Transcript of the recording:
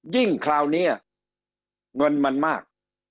คราวนี้เงินมันมาก